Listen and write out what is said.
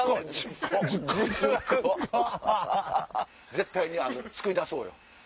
絶対に救い出そうよ。